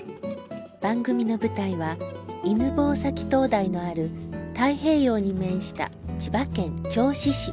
番組の舞台は犬吠埼灯台のある太平洋に面した千葉県銚子市。